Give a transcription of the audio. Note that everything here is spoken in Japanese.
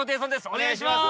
お願いします